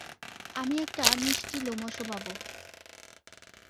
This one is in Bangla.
আমি একটা মিষ্টি লোমশ বাবু।